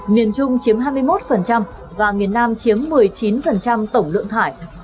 miền trung chiếm hai mươi một và miền nam chiếm một mươi chín tổng lượng thải